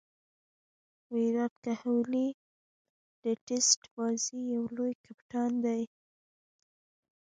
ویرات کهولي د ټېسټ بازي یو لوی کپتان دئ.